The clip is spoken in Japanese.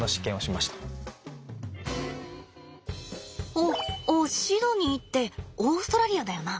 おおシドニーってオーストラリアだよな。